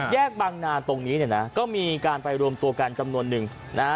แยกบางนาตรงนี้เนี่ยนะก็มีการไปรวมตัวกันจำนวนหนึ่งนะฮะ